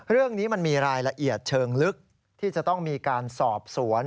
เรื่องนี้มันมีรายละเอียดเชิงลึกที่จะต้องมีการสอบสวน